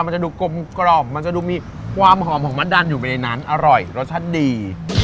มันจะดูกลมมันจะดูมีความหอมของมัดดันอยู่ไปในนั้นอร่อยรสชาติดี